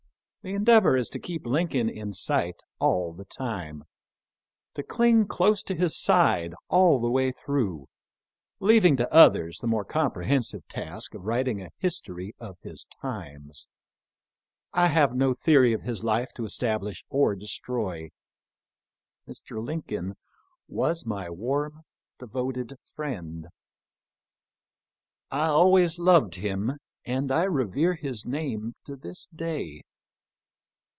The endeavor is to keep Lincoln in sight all the time ; to cling close to his side all the way through — leaving to others the more comprehensive task of writing a history of his times. I have no theory of his life to establish or destroy. Mr. Lincoln was my warm, devoted friend. PREFACE. xi I always loved him, and I revere his name to this day.